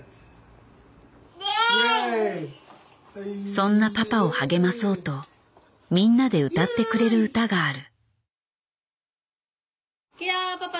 そんなパパを励まそうとみんなで歌ってくれる歌がある。